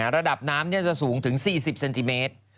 ระดับน้ำจะสูงถึง๔๐เซนติเมตร